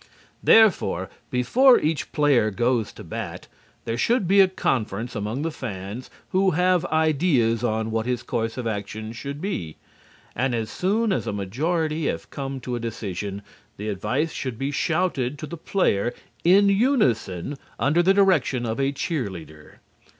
Therefore, before each player goes to bat, there should be a conference among the fans who have ideas on what his course of action should be, and as soon as a majority have come to a decision, the advice should be shouted to the player in unison under the direction of a cheer leader.